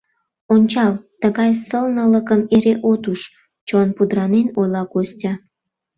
Ончал, тыгай сылнылыкым эре от уж, — чон пудранен ойла Костя.